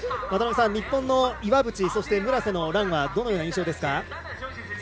渡辺さん、日本の岩渕そして村瀬のランはどのような印象ですか。